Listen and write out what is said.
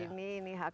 dan ini sudah berguna